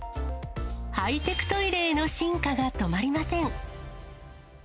ハイテクトイレへの進化が止まりません。